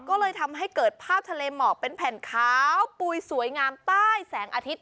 ก็เลยทำให้เกิดภาพทะเลหมอกเป็นแผ่นขาวปุ๋ยสวยงามใต้แสงอาทิตย